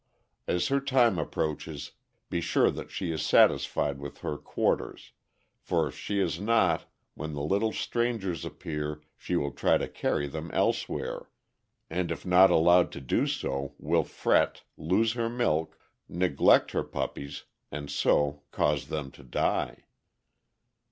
As her time approaches, be sure that she is satisfied with her quar ters, for if she is not, when the little strangers appear she will try to carry them elsewhere, and if not allowed to do so, will fret, lose her milk, neglect her puppies, and so cause them to die.